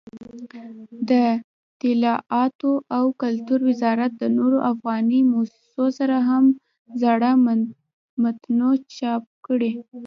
دطلاعاتو او کلتور وزارت د نورو افغاني مؤسسو سره هم زاړه متون چاپ کړي.